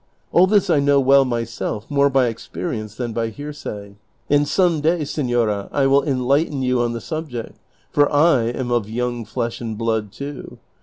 All this I "know well myself, more by experience than by hearsay, and some day, senora, I will enlighten you on the sulyect, for I am of young flesh and blood too.